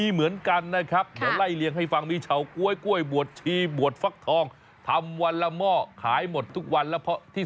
มีเหมือนกันนะครับเดี๋ยวไล่เลี่ยงให้ฟังมีเฉาก้วยก้วยบวชชีบวชฟักทองเดี๋ยวไล่เลี่ยงให้ฟังมีเฉาก้วยก้วยบวชชีบวชฟักทอง